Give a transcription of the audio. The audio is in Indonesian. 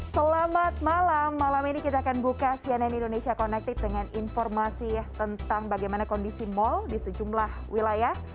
selamat malam malam ini kita akan buka cnn indonesia connected dengan informasi tentang bagaimana kondisi mal di sejumlah wilayah